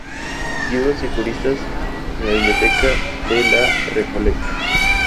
Libros y juristas en la Biblioteca de La Recoleta".